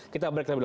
kita beritahu kamu